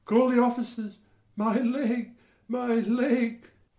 call the officers. My leg, my leg!